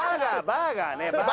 バーガー？